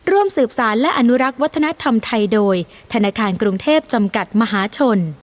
ร่วมสืบสารและอนุรักษ์วัฒนธรรมไทยโดยธนาคารกรุงเทพจำกัดมหาชน